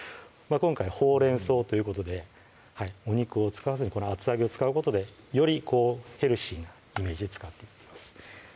今回ほうれん草ということでお肉を使わずにこの厚揚げを使うことでよりヘルシーなイメージで使っていってます